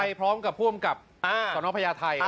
พร้อมกับผู้อำกับสนพญาไทย